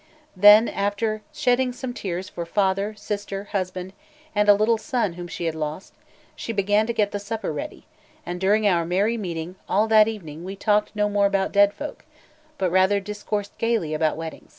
Then, after shedding some tears for father, sister, husband, and a little son whom she had lost, she began to get the supper ready; and during our merry meeting all that evening we talked no more about dead folk, but rather discoursed gaily about weddings.